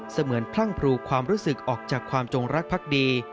เหมือนพรั่งพลูความรู้สึกออกจากความจงรักพักดี